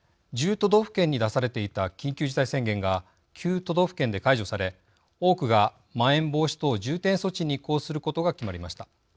都道府県に出されていた緊急事態宣言が９都道府県で解除され多くが、まん延防止等重点措置に移行することが決まりました。